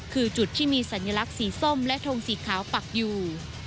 คือจุดที่มีสัญลักษณ์สีส้มและทงสีขาวปักอยู่